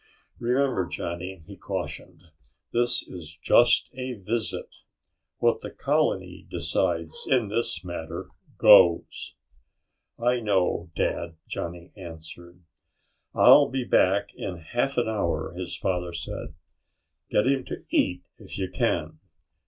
"Remember, Johnny," he cautioned, "this is just a visit. What the colony decides in this matter goes." "I know, Dad," Johnny answered. "I'll be back in half an hour," his father said. "Get him to eat, if you can.